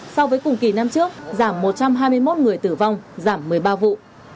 so với cùng kỳ năm trước giảm một trăm hai mươi một người tử vong giảm một mươi ba vụ